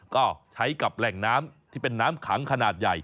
ก็ใช้กับแหล่งน้ำที่เป็นน้ำขังขนาดใหญ่